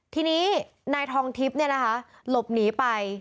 ทีนี้นายทองทิพย์เนี่ยนะคะหลบหนีไป